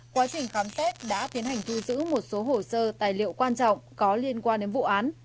quá trình khám xét đã tiến hành thu giữ một số hồ sơ tài liệu quan trọng có liên quan đến vụ án